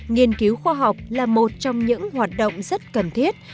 nghiên cứu khoa học là một trong những hoạt động rất cần thiết